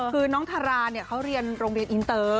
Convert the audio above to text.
คือน้องทาราเนี่ยเขาเรียนโรงเรียนอินเตอร์